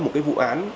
một cái vụ án